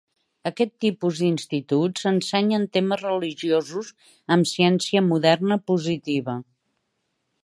Aquest tipus d'instituts ensenyen temes religiosos amb ciència moderna positiva.